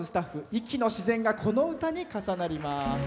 壱岐の自然がこの歌に重なります。